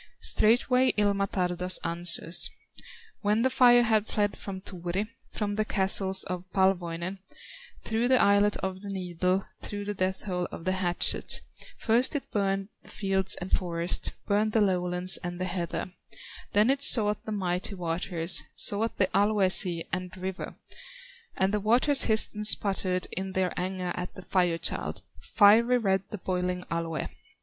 Straightway Ilmatar thus answers: "When the fire had fled from Turi, From the castles of Palwoinen, Through the eyelet of the needle, Through the death hole of the hatchet, First it burned the fields, and forests, Burned the lowlands, and the heather; Then it sought the mighty waters, Sought the Alue sea and river, And the waters hissed and sputtered In their anger at the Fire child, Fiery red the boiling Alue!